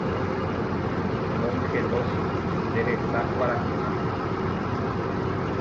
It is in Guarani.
Mongelós nde resa kuarahyʼãme.